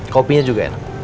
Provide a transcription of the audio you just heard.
kopinya juga enak